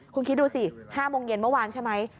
คุณคิดดูสิ๕โมงเย็นเมื่อวานใช่ไหม